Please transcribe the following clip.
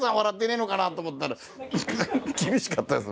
厳しかったです